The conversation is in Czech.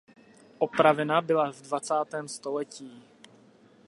Opravena byla v dvacátém století.